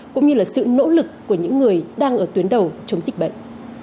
cũng như là sự nỗ lực của những người đang ở tuyến đầu chống dịch bệnh